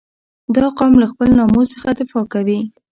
• دا قوم له خپل ناموس څخه دفاع کوي.